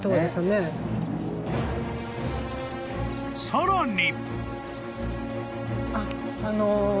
［さらに！］